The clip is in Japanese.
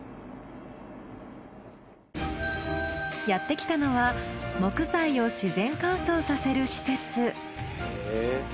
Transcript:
やってきたのは木材を自然乾燥させる施設。